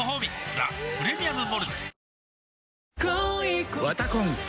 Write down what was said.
「ザ・プレミアム・モルツ」